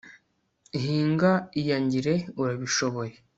hinga iyangire urabishoboye